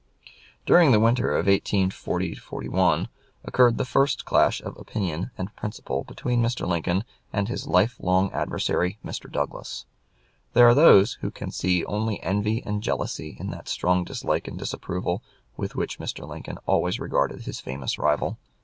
During the winter of 1840 1 occurred the first clash of opinion and principle between Mr. Lincoln and his life long adversary, Mr. Douglas. There are those who can see only envy and jealousy in that strong dislike and disapproval with which Mr. Lincoln always regarded his famous rival.